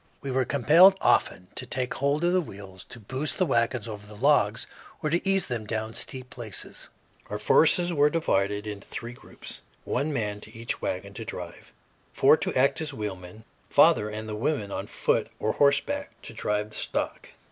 We were compelled often to take hold of the wheels to boost the wagons over the logs or to ease them down steep places. Our force was divided into three groups, one man to each wagon to drive; four to act as wheelmen; father and the women, on foot or horseback, to drive the stock.